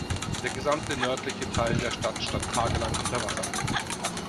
Der gesamte nördliche Teil der Stadt stand tagelang unter Wasser.